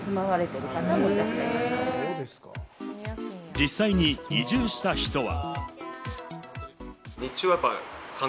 実際に移住した人は。